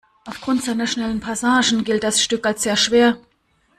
Aufgrund seiner schnellen Passagen gilt das Stück als sehr schwer.